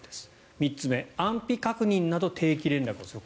３つ目安否確認など定期連絡をする。